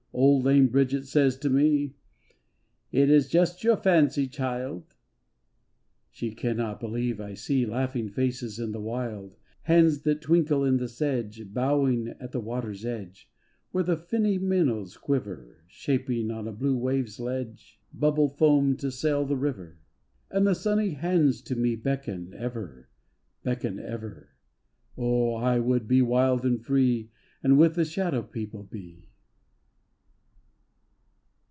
Old lame Bridget says to me, " It is just your fancy, child." 201 202 THE SHADOW PEOPLE She cannot believe I see Laughing faces in the wild, Hands that twinkle in the sedge Bowing at the water's edge Where the finny minnows quiver, Shaping on a blue wave's ledge Bubble foam to sail the river. And the sunny hands to me Beckon ever, beckon ever. Oh! I would be wild and free And with the shadow people be.